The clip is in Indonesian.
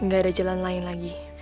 nggak ada jalan lain lagi